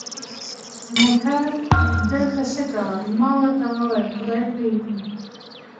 موټر دلته څه کول؟ ما ورته وویل: خدای پوهېږي.